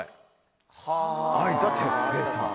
有田哲平さん。